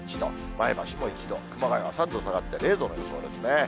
前橋も１度、熊谷は３度下がって０度の予想ですね。